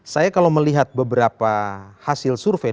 saya kalau melihat beberapa hasil survei